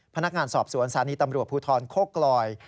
พนักงานสอบสวนสารีตำรวจภูทรโคกลอย